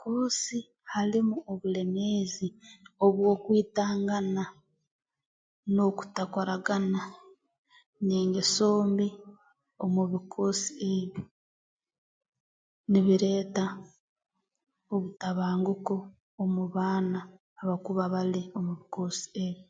Koosi halimu obulemeezi obw'okwitangana n'okutakoragana n'engeso mbi omu bikoosi ebi nibireeta obutabanguko omu baana abakuba bali omu bikoosi ebi